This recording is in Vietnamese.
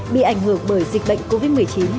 bị ảnh hưởng bởi dịch bệnh covid một mươi chín